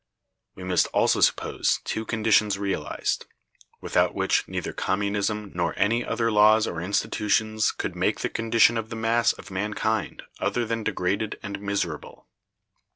We must also suppose two conditions realized, without which neither Communism nor any other laws or institutions could make the condition of the mass of mankind other than degraded and miserable.